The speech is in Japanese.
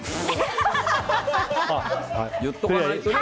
言っとかないとね。